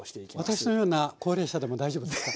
私のような高齢者でも大丈夫ですか？